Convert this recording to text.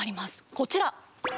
こちら！